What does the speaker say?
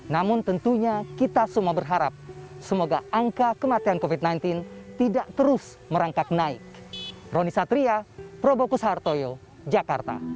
namun tentunya kita semua berharap semoga angka kematian covid sembilan belas tidak terus merangkak naik